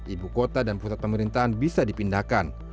ibu kota dan pusat pemerintahan bisa dipindahkan